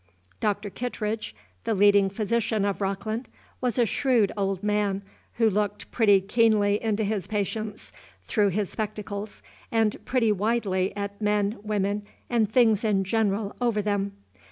Dr. Kittredge, the leading physician of Rockland, was a shrewd old man, who looked pretty keenly into his patients through his spectacles, and pretty widely at men, women, and things in general over them.